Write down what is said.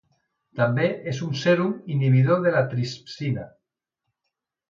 També és un sèrum inhibidor de la tripsina.